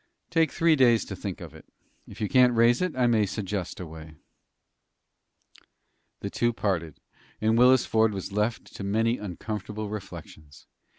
"Take three days to think of it. If you can't raise it, I may suggest a way." The two parted, and Willis Ford was left to many uncomfortable reflections.